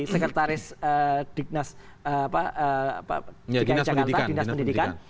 sekretaris dinas dki jakarta dinas pendidikan